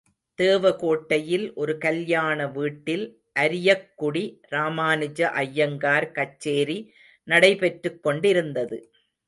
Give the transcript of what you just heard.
தேவகோட்டையில் ஒரு கல்யாண வீட்டில் அரியக்குடி ராமானுஜ ஐயங்கார் கச்சேரி நடைபெற்றுக் கொண்டிருந்தது.